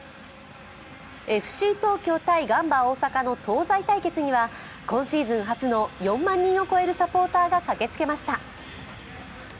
ＦＣ東京×ガンバ大阪の東西対決には今シーズン初の４万人を超えるサポーターが駆けつけました。